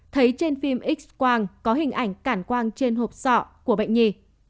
thấy trên phim x quang có hình ảnh cảm quang trên hộp sọ của bệnh nhi